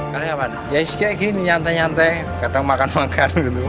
karyawan ya isi kayak gini nyantai nyantai kadang makan makan gitu